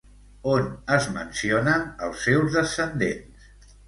On es mencionen els seus descendents?